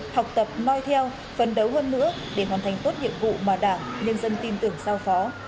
học tập noi theo phấn đấu hơn nữa để hoàn thành tốt nhiệm vụ mà đảng nhân dân tin tưởng sao phó